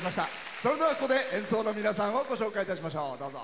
それでは、ここで演奏の皆さんをご紹介いたしましょう。